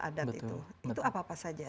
adat itu itu apa apa saja